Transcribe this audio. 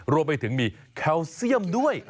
รวมไปถึงมีแคลเซียมด้วย